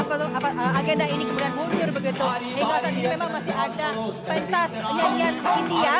tersebut agendanya ini kemudian muncul begitu ini memang masih ada pentas nyanyian india